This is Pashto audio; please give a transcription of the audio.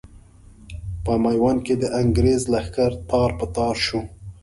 په ميوند کې د انګرېز لښکر تار په تار شو.